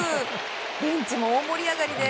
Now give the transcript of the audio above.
ベンチも大盛り上がりです。